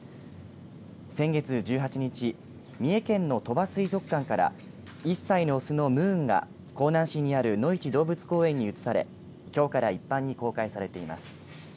先月１８日三重県の鳥羽水族館から１歳の雄のムーンが香南市にあるのいち動物公園に移されきょうから一般に公開されています。